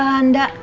eh pak subahanda